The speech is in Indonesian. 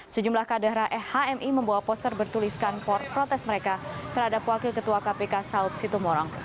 sejumlah kader hmi membawa poster bertuliskan for protes mereka terhadap wakil ketua kpk saud situ morang